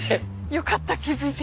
よかった気付いて。